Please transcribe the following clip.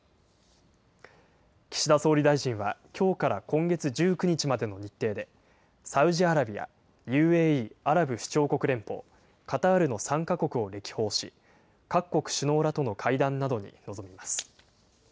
岸田総理大臣はきょうから今月１９日までの日程で、サウジアラビア、ＵＡＥ・アラブ首長国連邦、カタールの３か国を歴訪し、各国首脳らとの会談などに臨みます。